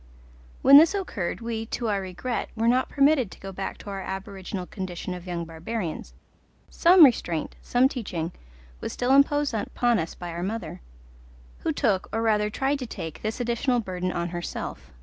When this occurred we, to our regret, were not permitted to go back to our aboriginal condition of young barbarians: some restraint, some teaching was still imposed upon us by our mother, who took, or rather tried to take, this additional burden on herself.